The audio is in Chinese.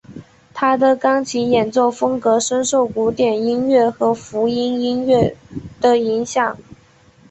他的钢琴演奏风格深受古典音乐和福音音乐的影响。